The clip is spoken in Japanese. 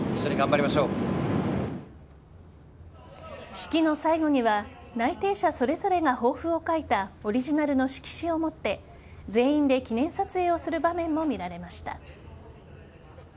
式の最後には内定者それぞれが抱負を書いたオリジナルの色紙を持って全員で記念撮影をする場面も見られました。